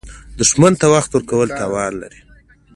دښمن ته وخت ورکول تاوان لري